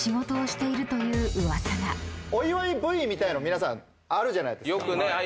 お祝いＶみたいの皆さんあるじゃないですか。